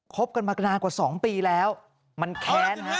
บกันมานานกว่า๒ปีแล้วมันแค้นฮะ